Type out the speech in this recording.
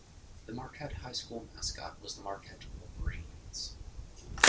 The Marquette High School mascot was Marquette Wolverines.